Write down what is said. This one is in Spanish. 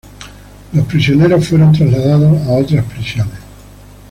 Los prisioneros fueron trasladados a otras prisiones.